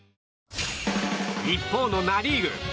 一方のナ・リーグ。